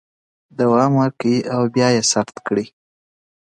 دا په تاریخ د حساسو مقطعو په جریان کې کلیدي رول لوبولی